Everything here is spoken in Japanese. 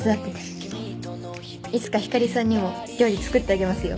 いつかひかりさんにも料理作ってあげますよ。